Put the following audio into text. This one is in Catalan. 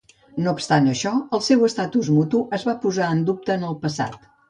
No obstant això, el seu estatus mutu es va posar en dubte en el passat.